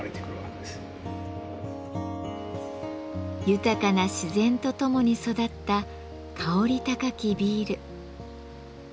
豊かな自然とともに育った香り高きビール。